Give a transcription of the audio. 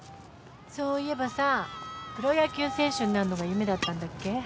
そういえばさプロ野球選手になるのが夢だったんだっけ？